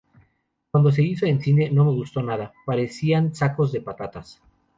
Cuando se hizo en cine no me gustó nada, parecían sacos de patatas".